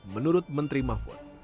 menurut menteri mahfud